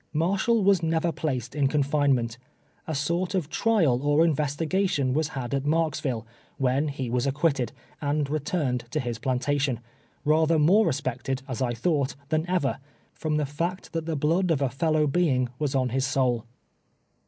Marshall was never placed in confinement. A sort of trial or investigation was had at Marksville, when he was acfpiitted, and returned to his plantation, rather more respected, as I thought, than ever, from the fact that the blood of a fellow being w'as on his soul.